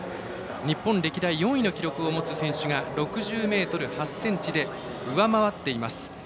日本歴代４位の記録を持つ選手が６０ｍ８ｃｍで上回っています。